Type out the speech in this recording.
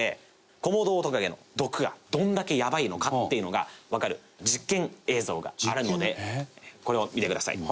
コモドオオトカゲの毒がどれだけヤバいのかっていうのがわかる実験映像があるのでこれを見てください。